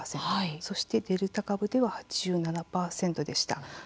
そしてデルタ株では８７％でした。